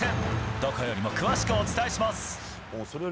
どこよりも詳しくお伝えします！